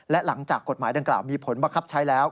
และหลังจากกฎหมายดังกล่าวมีผลบังคับใช้แล้ว